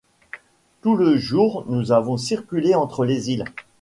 Tout le jour nous avons circulé entre les îles.